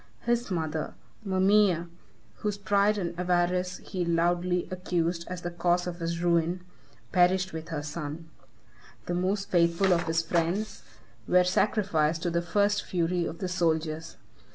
His mother, Mamæa, whose pride and avarice he loudly accused as the cause of his ruin, perished with her son. The most faithful of his friends were sacrificed to the first fury of the soldiers.